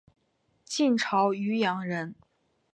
晋朝渔阳人。